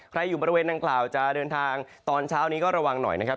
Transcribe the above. อยู่บริเวณดังกล่าวจะเดินทางตอนเช้านี้ก็ระวังหน่อยนะครับ